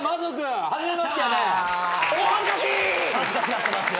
恥ずかしがってますよ